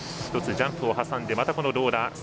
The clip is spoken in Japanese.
１つジャンプを挟んでまたローラー。